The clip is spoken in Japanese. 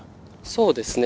そうですね。